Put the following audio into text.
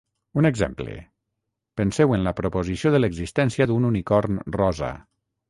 Un exemple: penseu en la proposició de l'existència d'un "unicorn rosa".